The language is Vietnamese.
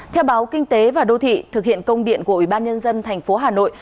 theo báo kinh tế và đô thị thực hiện công điện của ủy ban nhân dân tp hà nội